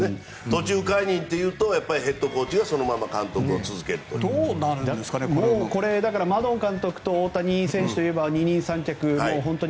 途中解任だとヘッドコーチがそのまま監督を務めるマドン監督と大谷選手といえば二人三脚。